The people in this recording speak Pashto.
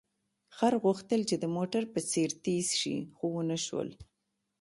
خر غوښتل چې د موټر په څېر تېز شي، خو ونه شول.